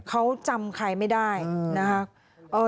เขาจำใครไม่ได้นะคะ